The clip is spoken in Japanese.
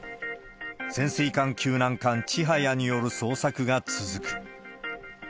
潜水艦救難艦ちはやによる捜索が続く。